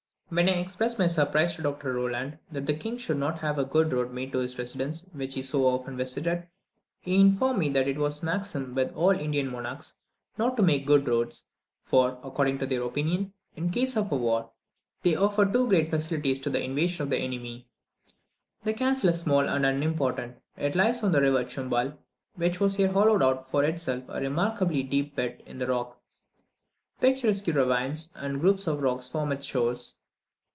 When I expressed my surprise to Dr. Rolland that the king should not have a good road made to his residence, which he so often visited, he informed me that it was a maxim with all Indian monarchs not to make roads, for, according to their opinion, in case of a war, they offered too great facilities to the invasion of the enemy. The castle is small and unimportant. It lies on the river Chumbal, which has here hollowed out for itself a remarkably deep bed in the rock. Picturesque ravines and groups of rock form its shores.